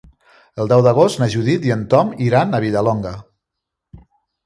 El deu d'agost na Judit i en Tom iran a Vilallonga.